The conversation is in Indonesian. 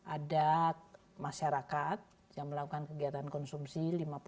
ada masyarakat yang melakukan kegiatan konsumsi